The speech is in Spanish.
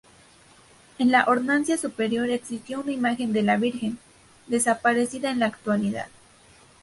En la hornacina superior existió una imagen de la Virgen, desaparecida en la actualidad.